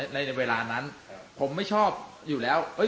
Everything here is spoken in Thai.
ในในเวลานั้นครับผมไม่ชอบอยู่แล้วเอ้ย